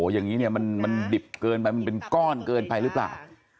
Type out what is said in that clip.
อย่างนี้เนี่ยมันดิบเกินไปมันเป็นก้อนเกินไปหรือเปล่า